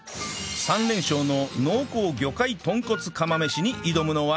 ３連勝の濃厚魚介豚骨釜飯に挑むのは